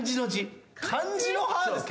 漢字の「歯」ですか。